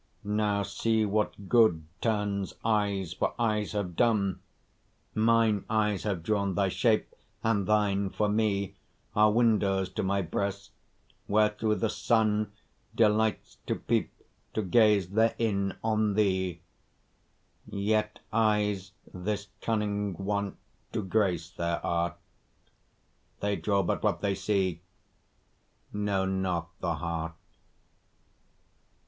Now see what good turns eyes for eyes have done: Mine eyes have drawn thy shape, and thine for me Are windows to my breast, where through the sun Delights to peep, to gaze therein on thee; Yet eyes this cunning want to grace their art, They draw but what they see, know not the heart.